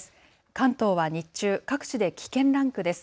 関東は日中、各地で危険ランクです。